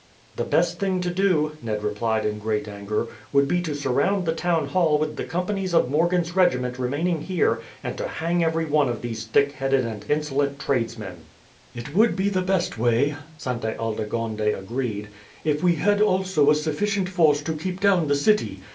"The best thing to do," Ned replied in great anger, "would be to surround the town hall with the companies of Morgan's regiment remaining here, and to hang every one of these thick headed and insolent tradesmen." "It would be the best way," Sainte Aldegonde agreed, "if we had also a sufficient force to keep down the city.